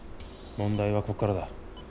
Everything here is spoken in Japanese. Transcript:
問題はここからだ。